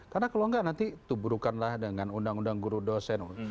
karena kalau nggak nanti tuh burukanlah dengan undang undang guru dosen